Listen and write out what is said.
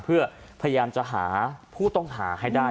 เพื่อพยายามจะหาผู้ต้องหาให้ได้